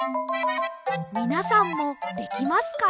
みなさんもできますか？